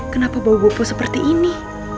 kenapa bau buku seperti ini